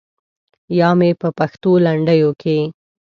یا مې په پښتو لنډیو کې.